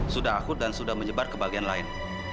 sudah akut dan sudah menyebar ke bagian lain